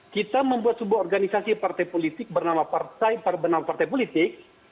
kita membuat sebuah organisasi partai politik bernama partai partai politik